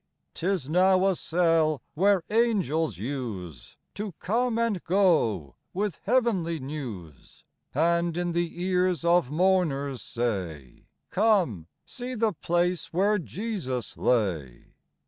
'Tis now a cell, where angels use To come and go with heavenly news, And in the ears of mourners say, — "Come, see the place where Jesus lay."